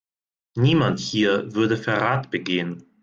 Niemand hier würde Verrat begehen.